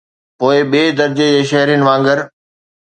پوءِ ٻئي درجي جي شهرين وانگر.